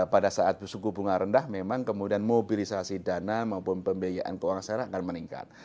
pada saat suku bunga rendah memang kemudian mobilisasi dana maupun pembiayaan keuangan sekarang akan meningkat